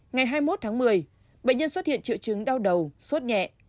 ngày hai mươi một tháng một mươi bệnh nhân xuất hiện triệu chứng đau đầu suốt nhẹ